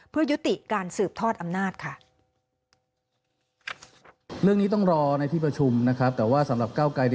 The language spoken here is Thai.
เพื่อยุติการสืบทอดอำนาจค่ะ